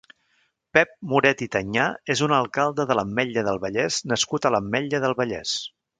Pep Moret i Tanyà és un alcalde de l'Ametlla del Vallès nascut a l'Ametlla del Vallès.